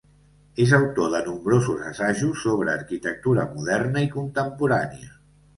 És autor de nombrosos assajos sobre arquitectura moderna i contemporània.